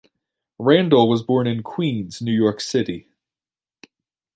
Randall was born in Queens, New York City.